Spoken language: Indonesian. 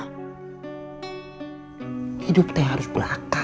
tidak malu hidup dari tabungan mertua